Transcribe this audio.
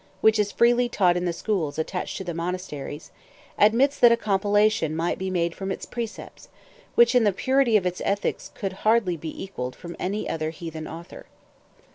"] which is freely taught in the schools attached to the monasteries, admits that a compilation might be made from its precepts, "which in the purity of its ethics could hardly be equalled from any other heathen author."